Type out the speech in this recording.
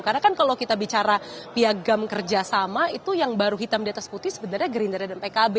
karena kan kalau kita bicara piagam kerjasama itu yang baru hitam di atas putih sebenarnya gerindra dan pkb